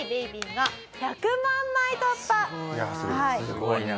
すごいな。